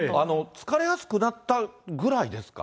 疲れやすくなったぐらいですか？